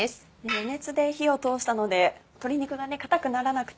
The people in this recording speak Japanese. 余熱で火を通したので鶏肉が硬くならなくて。